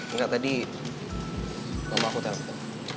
enggak tadi mama aku tahu